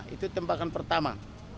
itu tembakan pertama